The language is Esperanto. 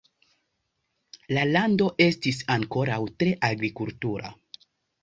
La lando estis ankoraŭ tre agrikultura.